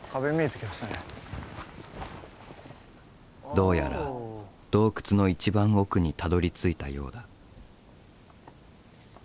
どうやら洞窟の一番奥にたどりついたようだ。